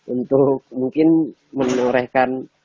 untuk mungkin menorehkan